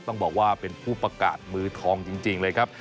ต้องบอกว่าเป็นผู้ประกาศมือทองจริงเลยครับ